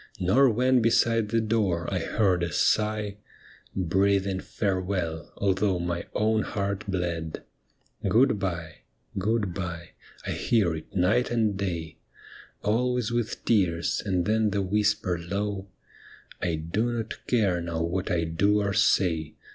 Nor when beside the door I heard a sigh Breathing farewell, although my own heart bled. ' Good bye,' ' Good bye,' I hear it night and day, Always with tears, and then the whisper low, ' I do not care now what I do or say.